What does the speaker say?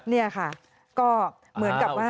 นี่ค่ะก็เหมือนกับว่า